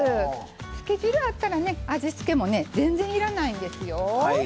つけ汁があったら味付けも全然いらないんですよ。